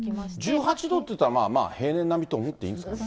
１８度っていったらまあまあ平年並みと思っていいですかね。